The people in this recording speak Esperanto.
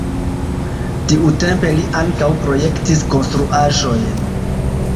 Tiutempe li ankaŭ projektis konstruaĵojn.